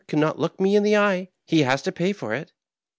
53 can not look me in the eye, he has to pay for it."